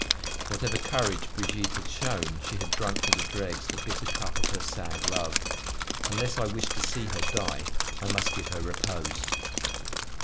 Whatever courage Brigitte had shown, she had drunk to the dregs the bitter cup of her sad love: unless I wished to see her die, I must give her repose.